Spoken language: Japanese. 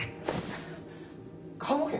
棺桶？